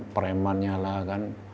premannya lah kan